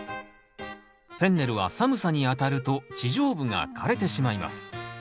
フェンネルは寒さにあたると地上部が枯れてしまいます。